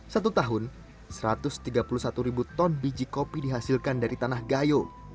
satu tahun satu ratus tiga puluh satu ribu ton biji kopi dihasilkan dari tanah gayo